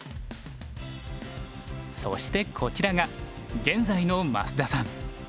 そしてこちらが現在の増田さん。